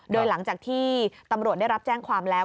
โดยหลังจากที่ตำรวจได้รับแจ้งความแล้ว